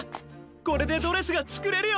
これでドレスがつくれるよ！